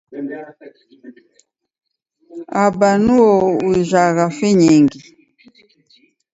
Aba nuo ujagha finyingi.